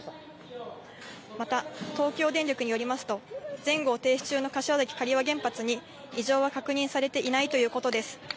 また、東京電力によりますと、全号停止中の柏崎刈羽原発に異常は確認されていないということです。